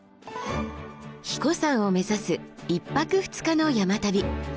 英彦山を目指す１泊２日の山旅。